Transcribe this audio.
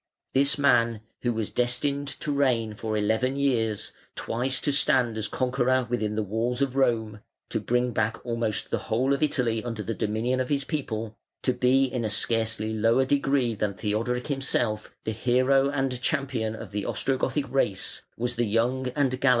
This man, who was destined to reign for eleven years, twice to stand as conqueror within the walls of Rome, to bring back almost the whole of Italy under the dominion of his people, to be in a scarcely lower degree than Theodoric himself the hero and champion of the Ostrogothic race, was the young and gallant Totila.